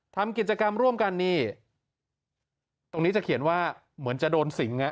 ทำกิจกรรมร่วมกันนี่ตรงนี้จะเขียนว่าเหมือนจะโดนสิงอ่ะ